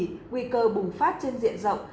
nguy cơ bùng phát trên diện rộng